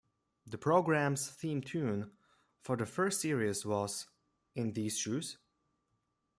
The programme's theme tune for the first series was In These Shoes?